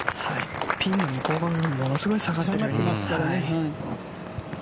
ピンの向こう側ものすごい下がってますから。